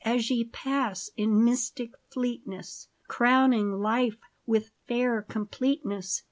As ye pass in mystic fleetness. Crowning life with fair completeness